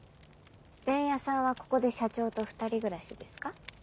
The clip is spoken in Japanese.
伝弥さんはここで社長と２人暮らしですか？